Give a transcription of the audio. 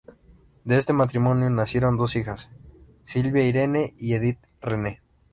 De este matrimonio nacieron dos hijas: Silvia Irene y Edith Renee.